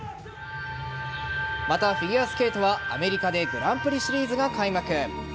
また、フィギュアスケートはアメリカでグランプリシリーズが開幕。